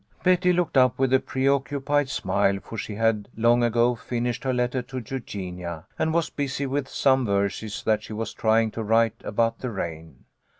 Betty looked up with a preoccupied smile, for she had long ago finished her letter to Eugenia and was busy with some verses that she was trying to write 74 MOLLY'S STORY. 75 about the rain.